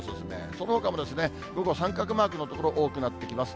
そのほかも午後、三角マークの所、多くなってきます。